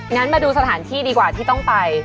งั้นมาดูสถานที่ดีกว่าที่ต้องไป